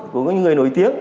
của những người nổi tiếng